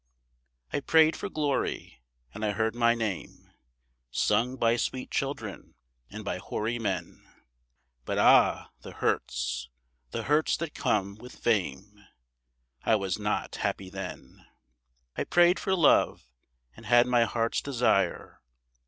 I prayed for glory, and I heard my name Sung by sweet children and by hoary men. But ah! the hurts the hurts that come with fame I was not happy then. I prayed for Love, and had my heart's desire.